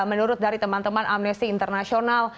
menurut dari teman teman amnesty international